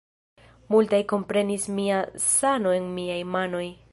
Multaj komprenis mia sano en miaj manoj!